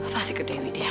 pasti ke dewi dia